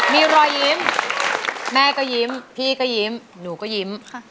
มีรอยยิ้มแม่ก็ยิ้มพี่ก็ยิ้มหนูก็ยิ้ม